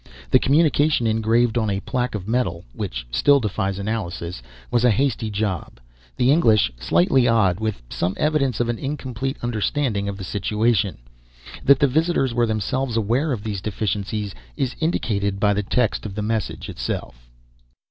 The communication engraved on a plaque of metal (which still defies analysis) was a hasty job, the English slightly odd, with some evidence of an incomplete understanding of the situation. That the visitors were themselves aware of these deficiencies is indicated by the text of the message itself.